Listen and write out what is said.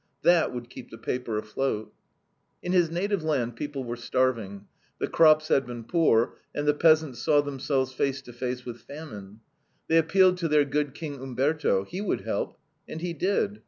That would keep the paper afloat. In his native land people were starving. The crops had been poor, and the peasants saw themselves face to face with famine. They appealed to their good King Umberto; he would help. And he did.